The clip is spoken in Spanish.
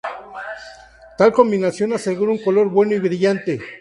Tal combinación asegura un color bueno y brillante.